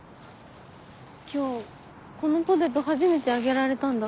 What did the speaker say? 今日このポテト初めて揚げられたんだ。